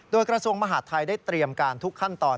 โดยกระทรวงมหาดไทยได้เตรียมการทุกขั้นตอน